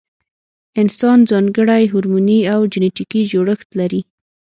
انسان ځانګړی هورموني او جنټیکي جوړښت لري.